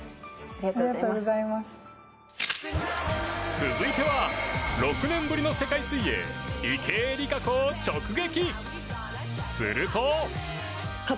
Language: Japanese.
続いては６年ぶりの世界水泳池江璃花子を直撃！